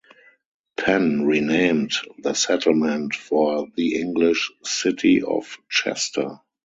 Penn renamed the settlement for the English city of Chester.